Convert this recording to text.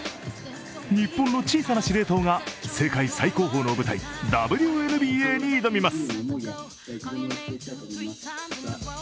日本の小さな司令塔が世界最高峰の舞台ＷＮＢＡに挑みます。